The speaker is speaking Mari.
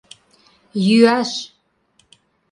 Йӱаш!..